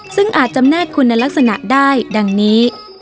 ซึ่งอาจจำแนกคุณลักษณะได้ดังนี้